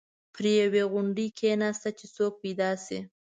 پر یوې غونډۍ کېناسته چې څوک پیدا شي.